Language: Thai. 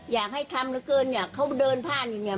อยากให้ทำเหลือเกินเนี่ยเขาเดินผ่านอยู่เนี่ย